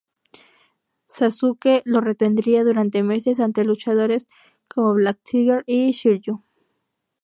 Sasuke lo retendría durante meses ante luchadores como Black Tiger y Shiryu.